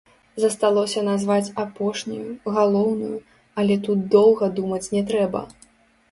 Засталося назваць апошнюю, галоўную, але тут доўга думаць не трэба.